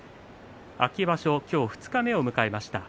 秋場所、今日二日目を迎えました。